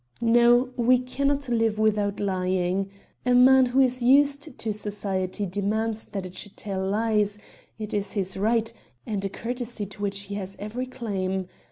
No, we cannot live without lying. A man who is used to society demands that it should tell lies, it is his right, and a courtesy to which he has every claim.